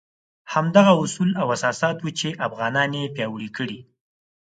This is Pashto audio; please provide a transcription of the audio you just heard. همدغه اصول او اساسات وو چې افغانان یې پیاوړي کړي.